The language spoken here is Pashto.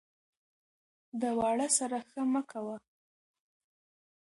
ـ د واړه سره ښه مه کوه ،